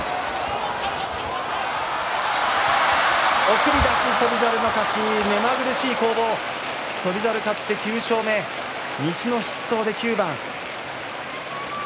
送り出し、翔猿の勝ち目まぐるしい攻防翔猿、勝って９勝目西の筆頭で９番。